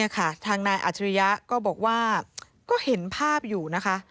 ก็เห็นภาพอยู่นะคะ